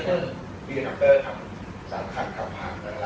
คุณพร้อมคุณพร้อมกับเต้ย